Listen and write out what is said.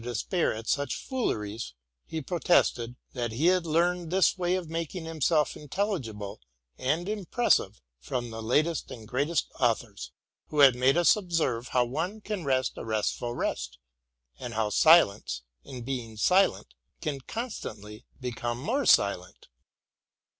255 despair at such fooleries, he protested that he had learned this way of making himself intelligible and impressive from the latest and greatest authors, who had made us observe how one can rest a restful rest, and how silence, in being silent, can constantly become more silent.